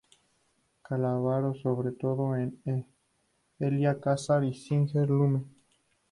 Colaboró sobre todo con Elia Kazan y Sidney Lumet.